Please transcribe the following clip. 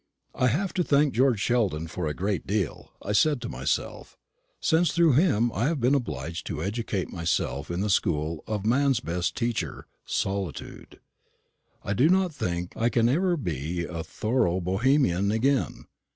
"I have to thank George Sheldon for a great deal," I said to myself, "since through him I have been obliged to educate myself in the school of man's best teacher, Solitude. I do not think I can ever be a thorough Bohemian again.